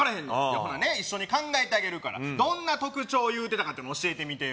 ほなね一緒に考えてあげるからどんな特徴を言うてたか教えてみてよ